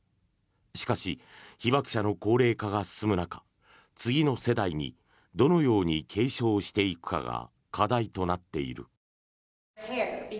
しかし、被爆者の高齢化が進む中次の世代にどのように継承していくかが課題となっている。